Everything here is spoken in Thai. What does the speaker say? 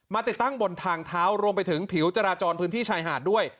ติดตั้งบนทางเท้ารวมไปถึงผิวจราจรพื้นที่ชายหาดด้วย